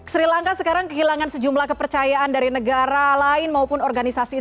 sri lanka sekarang kehilangan sejumlah kepercayaan dari negara lain maupun organisasi